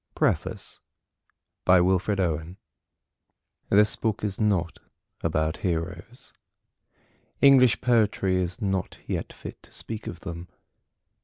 POEMS Preface This book is not about heroes. English Poetry is not yet fit to speak of them.